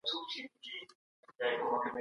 ايا ستاسي عايد زيات سوی دی؟